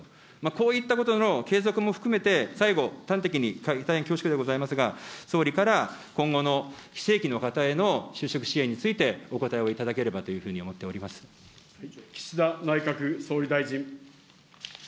こういったことの継続も含めて、最後、端的に大変恐縮でございますが、総理から、今後の非正規の方への就職支援について、お答えをいただければというふうに思っ岸田内閣総理大臣。